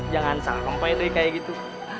jangan sampai deh kayak gitu